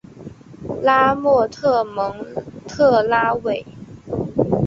拉莫特蒙特拉韦。